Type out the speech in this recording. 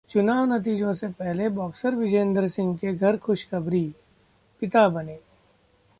चुनाव नतीजों से पहले बॉक्सर विजेंदर सिंह के घर खुशखबरी, पिता बने